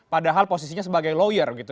padahal posisinya sebagai lawyer gitu